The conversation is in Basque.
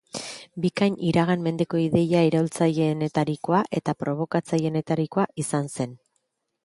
Bikinia iragan mendeko ideia iraultzaileenetarikoa eta probokatzaileenetarikoa izan zen.